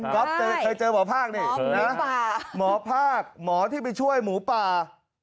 ก็เจอหมอภาคหมอผ้าหมอที่ไปช่วยหมูป่า